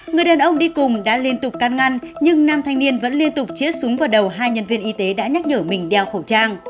người đàn ông đi cùng đã liên tục can ngăn nhưng nam thanh niên vẫn liên tục chiết súng vào đầu hai nhân viên y tế đã nhắc nhở mình đeo khẩu trang